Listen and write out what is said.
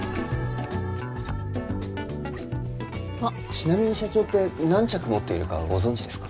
ちなみに社長って何着持っているかご存じですか？